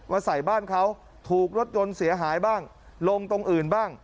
ใส่บ้านเขาถูกรถยนต์เสียหายบ้างลงตรงอื่นบ้าง